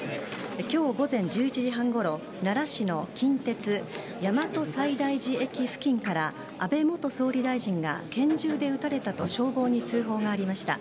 今日午前１１時半ごろ、奈良市の近鉄大和西大寺駅付近から安倍元総理大臣が拳銃で撃たれたと消防に通報がありました。